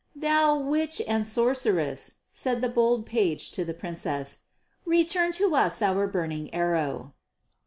"Thou witch and sorceress," said the bold page to the Princess, "return to us our burning arrow."